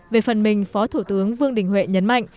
về phần mình phó thủ tướng vương đình huệ nhấn mạnh